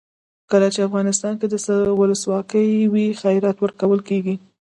کله چې افغانستان کې ولسواکي وي خیرات ورکول کیږي.